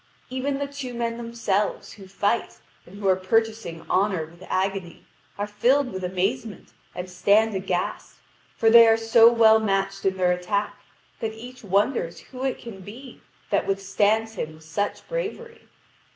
Even the two men themselves, who fight, and who are purchasing honour with agony, are filled with amazement and stand aghast, for they are so well matched in their attack, that each wonders who it can be that withstands him with such bravery.